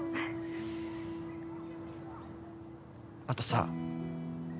あとさ